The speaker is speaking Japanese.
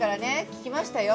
聞きましたよ？